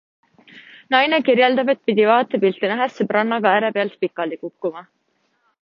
Naine kirjeldab, et pidi vaatepilti nähes sõbrannaga äärepealt pikali kukkuma.